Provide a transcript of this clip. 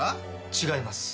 違います。